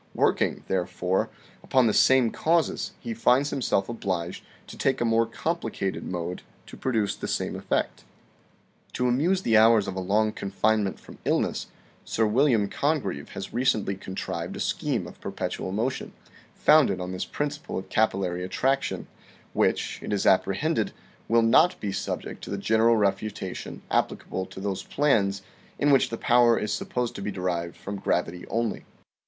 Working, there fore, upon the same causes, he finds himself obliged to take a more complicated mode to produce the same effect. 54 THE SEVEN FOLLIES OF SCIENCE " To amuse the hours of a long confinement from illness, Sir William Congreve has recently contrived a scheme of perpetual motion, founded on this principle of capillary at traction, which, it is apprehended, will not be subject to the general refutation applicable to those plans in which the power is supposed to be derived from gravity only.